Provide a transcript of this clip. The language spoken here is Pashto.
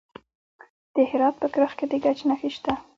د هرات په کرخ کې د ګچ نښې شته.